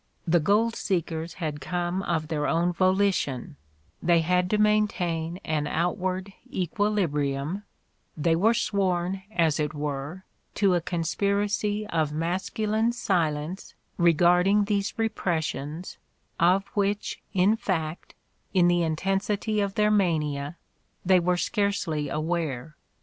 The gold seekers had come of their own volition, they had to maintain an outward equilibrium, they were sworn, as it were, to a conspiracy of masculine silence regarding these re pressions, of which, in fact, in the intensity of their mania, they were scarcely aware.